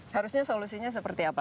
harusnya solusinya seperti apa